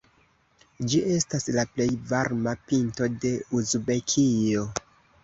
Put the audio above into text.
Ĝi estas la plej varma pinto de Uzbekio.